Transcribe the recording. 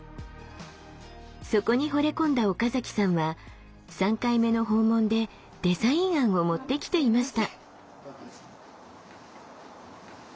そこにほれ込んだ岡崎さんは３回目の訪問でデザイン案を持ってきていました。